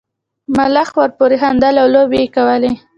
ملخ ورپورې خندل او لوبې یې کولې.